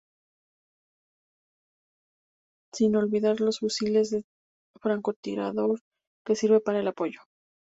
Sin olvidar los fusiles de francotirador que sirven para el apoyo.